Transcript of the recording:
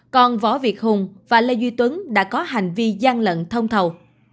còn võ việt hùng và lê duy tuấn đã có hành vi gian lận thông thầu